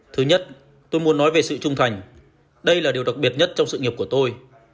thứ nhất tôi muốn nói về sự trung thành đây là điều đặc biệt nhất trong sự nghiệp của tôi